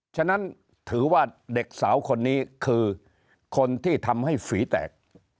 ฉะนั้นถือว่าเด็กสาวคนนี้คือคนที่ทำให้ฝีแตก